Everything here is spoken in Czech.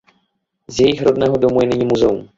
Z jejich rodného domu je nyní muzeum.